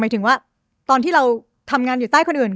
ถึงว่าตอนที่เราทำงานอยู่ใต้คนอื่น